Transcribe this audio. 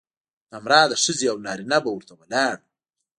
نامراده ښځې او نارینه به ورته ولاړ وو.